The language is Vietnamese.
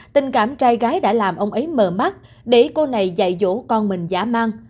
tình cảm trai gái đã làm ông ấy mờ mắt để cô này dạy dỗ con mình dã man